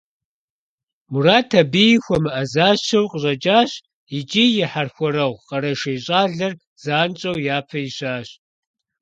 Мурат абыи хуэмыӏэзащэу къыщӏэкӏащ икӏи и хьэрхуэрэгъу къэрэшей щӏалэр занщӏэу япэ ищащ.